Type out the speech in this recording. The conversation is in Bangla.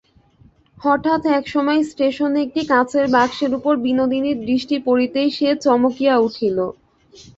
হঠাৎ এক সময়ে স্টেশনে একটি কাচের বাক্সের উপর বিনোদিনীর দৃষ্টি পড়িতেই সে চমকিয়া উঠিল।